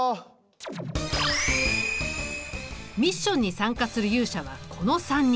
ミッションに参加する勇者はこの３人。